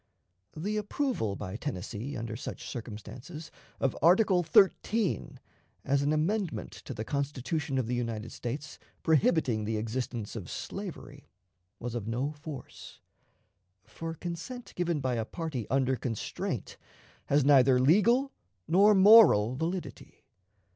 The approval by Tennessee, under such circumstances, of Article XIII, as an amendment to the Constitution of the United States prohibiting the existence of slavery, was of no force; for consent given by a party under constraint has neither legal nor moral validity.